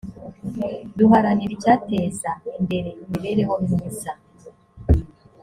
duharanira icyateza imbere imibereho myiza.